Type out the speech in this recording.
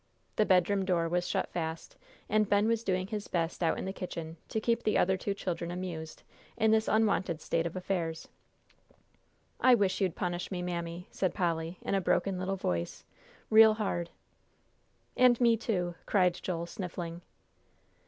The bedroom door was shut fast, and Ben was doing his best out in the kitchen to keep the other two children amused, in this unwonted state of affairs. "I wish you'd punish me, Mammy," said Polly, in a broken little voice, "real hard." "And me, too," cried Joel, sniffling.